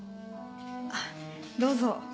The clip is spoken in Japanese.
あどうぞ。